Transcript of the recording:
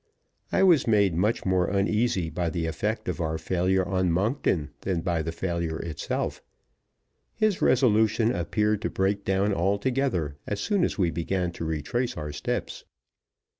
I was made much more uneasy by the effect of our failure on Monkton than by the failure itself. His resolution appeared to break down altogether as soon as we began to retrace our steps.